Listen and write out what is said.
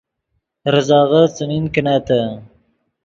ریزغے څیمین کینتّے